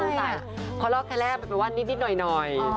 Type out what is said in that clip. สงสัยคอลอร์แคลร์แปลว่านิดหน่อย